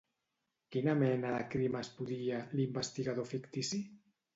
Quina mena de crim estudia, l'investigador fictici?